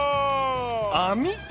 網か！